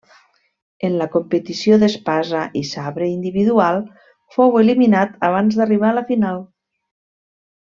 En la competició d'espasa i sabre individual fou eliminat abans d'arribar a la final.